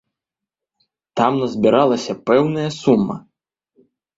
Там назбіралася пэўная сума.